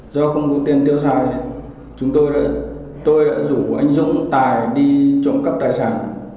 do không có tiền tiêu xài chúng tôi đã rủ anh dũng tài đi trộm cắp tài sản